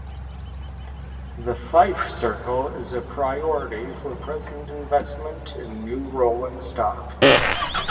The Fife Circle is a priority for present investment in new rolling stock.